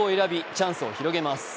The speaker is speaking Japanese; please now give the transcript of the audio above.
チャンスを広げます。